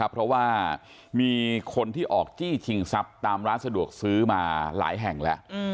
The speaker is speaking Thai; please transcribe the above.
เพราะว่ามีคนที่ออกจี้ชิงทรัพย์ตามร้านสะดวกซื้อมาหลายแห่งแล้ว